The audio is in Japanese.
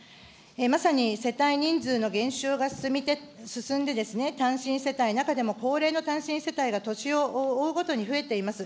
まさに世帯人数の減少が進んで、単身世帯、中でも高齢の単身世帯が年を追うごとに増えています。